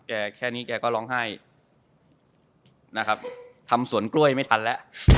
แค่นี้แกก็ร้องไห้นะครับทำสวนกล้วยไม่ทันแล้ว